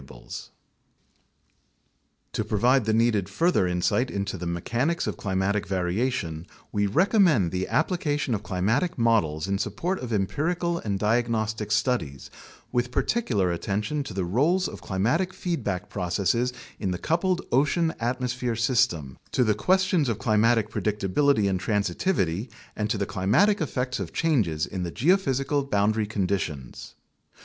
SUMMARY OF PRINCIPAL CONCLUSIONS AND RECOMMENDATIONS 11 To provide the needed further insight into the mechanisms of climatic variation, we recommend the application of climatic models in support of empirical and diagnostic studies, with particular attention to the roles of climatic feedback processes in the coupled ocean atmosphere sys tem, to the questions of climatic predictability and transitivity, and to the climatic effects of changes in the geophysical boundary conditions.